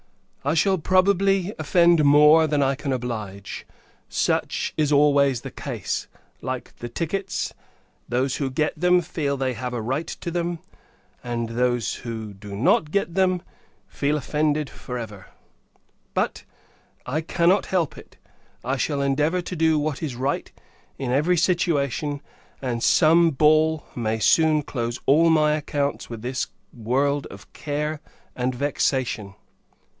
I shall, probably, offend many more than I can oblige. Such is always the case: like the tickets those who get them, feel they have a right to them; and those [who] do not get them, feel offended for ever. But, I cannot help it: I shall endeavour to do what is right, in every situation; and some ball may soon close all my accounts with this world of care and vexation!